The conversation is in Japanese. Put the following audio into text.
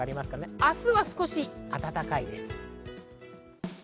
明日は少し暖かいです。